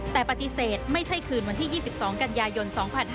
แต่ปฏิเสธไม่ใช่คืนวันที่๒๒กันยายน๒๕๕๙